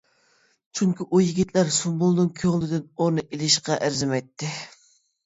چۈنكى ئۇ يىگىتلەر سۇمبۇلنىڭ كۆڭلىدىن ئورۇن ئىلىشقا ئەرزىمەيتتى.